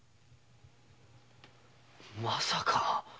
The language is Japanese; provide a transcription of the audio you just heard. まさか？